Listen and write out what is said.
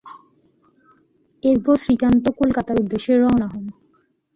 এরপর শ্রীকান্ত কলকাতার উদ্দেশে রওনা হন।